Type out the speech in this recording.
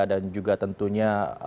dan juga tentunya